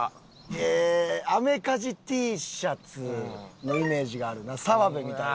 ええアメカジＴシャツのイメージがあるな澤部みたいな。